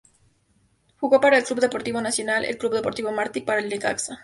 Jugó para el Club Deportivo Nacional, el Club Deportivo Marte y para el Necaxa.